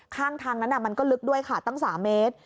ข้างทางนั้นมันก็ลึกด้วยค่ะตั้ง๓เมตร